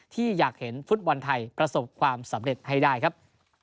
ที่อยากเห็นฟุตบอลไทยประสบความสำเร็จให้ได้ครับ